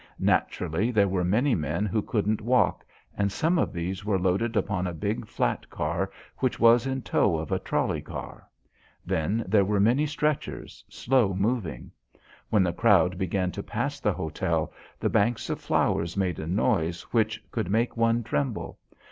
Naturally there were many men who couldn't walk, and some of these were loaded upon a big flat car which was in tow of a trolley car. Then there were many stretchers, slow moving. When that crowd began to pass the hotel the banks of flowers made a noise which could make one tremble.